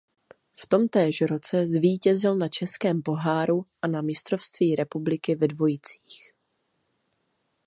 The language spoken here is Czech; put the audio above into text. V tomtéž roce zvítězil na Českém poháru a na mistrovství republiky ve dvojicích.